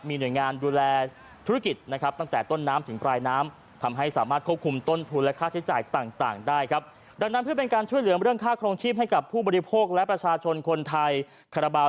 มีหน่วยงานดูแลธุรกิจตั้งแต่ต้นน้ำถึงปลายน้ำ